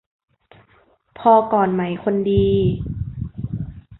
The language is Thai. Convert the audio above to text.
พอก่อนไหมคนดี